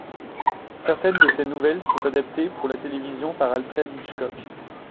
Certaines de ses nouvelles sont adaptées pour la télévision par Alfred Hitchcock.